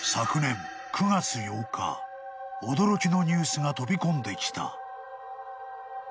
［驚きのニュースが飛び込んできた］